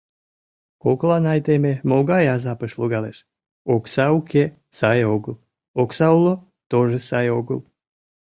Коклан айдеме могай азапыш логалеш: окса уке — сай огыл, окса уло — тожо сай огыл.